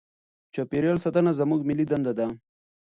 چاپیریال ساتنه زموږ ملي دنده ده.